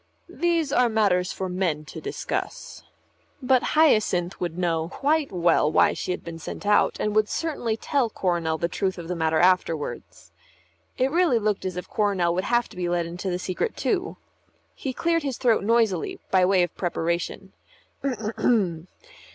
"These are matters for men to discuss." But Hyacinth would know quite well why she had been sent out, and would certainly tell Coronel the truth of the matter afterwards. It really looked as if Coronel would have to be let into the secret too. He cleared his throat noisily by way of preparation.